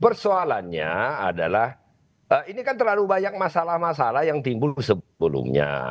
persoalannya adalah ini kan terlalu banyak masalah masalah yang timbul sebelumnya